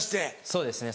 そうですね